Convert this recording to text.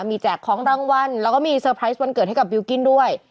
มีแจกของรางวัลแล้วก็มีเซอร์ไพรส์วันเกิดให้กับบิลกิ้นด้วย